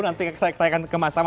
nanti saya akan kemas sama